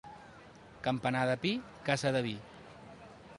Campanar de pi, casa de vi.